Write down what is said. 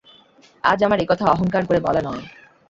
আজ আমার এ কথা অহংকার করে বলা নয়।